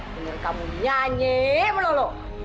dengar kamu nyanyi melulu